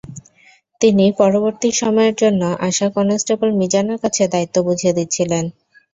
তিনি পরবর্তী সময়ের জন্য আসা কনস্টেবল মিজানের কাছে দায়িত্ব বুঝিয়ে দিচ্ছিলেন।